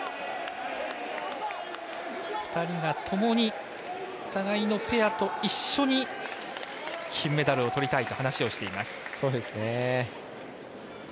２人がともに互いのペアと一緒に金メダルをとりたいと話をしています。